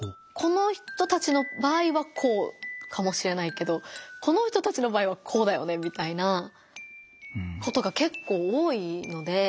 この人たちの場合はこうかもしれないけどこの人たちの場合はこうだよねみたいなことが結構多いので。